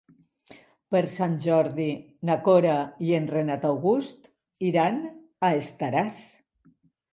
Per Sant Jordi na Cora i en Renat August iran a Estaràs.